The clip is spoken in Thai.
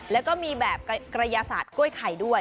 แล้วก็มีแบบกระยาศาสตร์กล้วยไข่ด้วย